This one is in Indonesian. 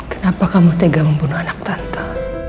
kenapa kamu tega membunuh anak tante